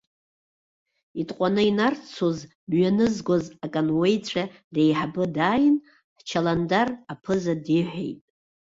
Итҟәаны инарцоз мҩанызгоз акануеицәа реиҳабы дааин, ҳчаландар аԥыза диҳәеит.